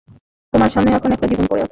তোমার সামনে এখনও একটা জীবন পড়ে আছে।